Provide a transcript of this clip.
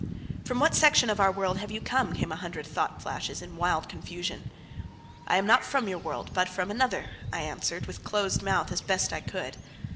"From what section of our world have you come?" came a hundred thought flashes in wild confusion. "I am not from your world, but from another," I answered with closed mouth as best I could.